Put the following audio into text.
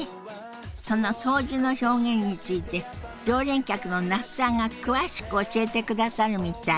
その掃除の表現について常連客の那須さんが詳しく教えてくださるみたい。